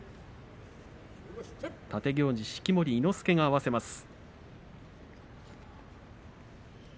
立行司、式守伊之助が合わせます。